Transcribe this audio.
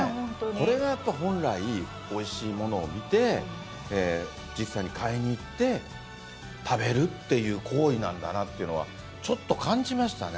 これがやっぱ本来おいしいものを見て実際に買いに行って食べるっていう行為なんだなっていうのはちょっと感じましたね。